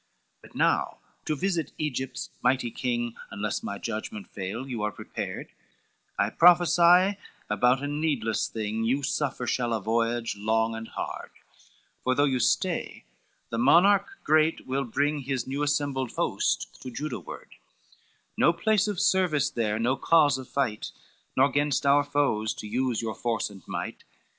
XI "But now to visit Egypt's mighty king, Unless my judgment fall, you are prepared, I prophesy, about a needless thing You suffer shall a voyage long and hard: For though you stay, the monarch great will bring His new assembled host to Juda ward, No place of service there, no cause of fight, Nor gainst our foes to use your force and might.